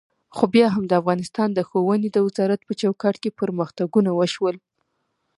خو بیا هم د افغانستان د ښوونې د وزارت په چوکاټ کې پرمختګونه وشول.